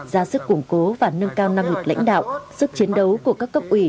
ra sức củng cố và nâng cao năng lực lãnh đạo sức chiến đấu của các cấp ủy